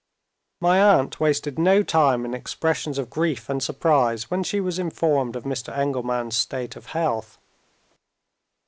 My aunt wasted no time in expressions of grief and surprise, when she was informed of Mr. Engelman's state of health.